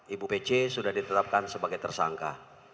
ibu pc sudah ditetapkan sebagai tersangka